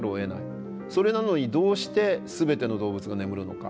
それなのにどうして全ての動物が眠るのか。